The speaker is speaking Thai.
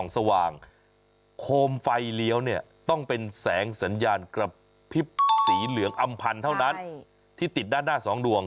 สีเหลืองอ่ำปันเท่านั้นที่ติดด้านหน้า๒ดวง